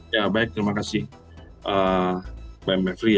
ya baik terima kasih mbak mevri